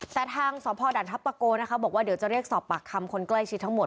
แต่ทางสพด่านทัพตะโกนะคะบอกว่าเดี๋ยวจะเรียกสอบปากคำคนใกล้ชิดทั้งหมด